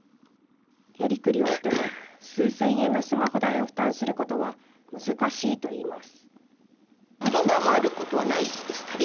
やりくりをしても数千円のスマホ代を負担することは難しいといいます。